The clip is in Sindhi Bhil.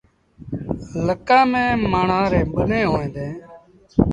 لڪآن ميݩ مآڻهآن ريٚݩ ٻنيٚن هوئيݩ ديٚݩ۔